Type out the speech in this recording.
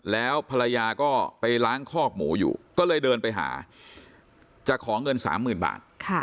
แล้วภรรยาก็ไปล้างคอกหมูอยู่ก็เลยเดินไปหาจะขอเงินสามหมื่นบาท